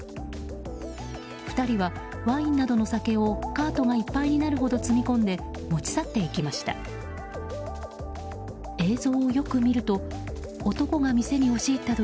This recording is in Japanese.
２人はワインなどの酒をカートがいっぱいになるほど積み込んで持ち去っていきました。